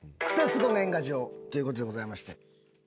クセスゴ年賀状ということでございまして。